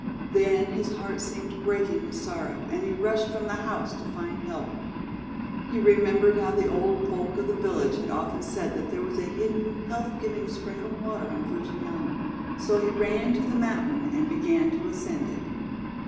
Then his heart seemed breaking with sorrow, and he rushed from the house to find help. He remembered how the old folk of the village had often said that there was a hidden, health giving spring of water on Fujiyama, so he ran to the mountain and began to ascend it.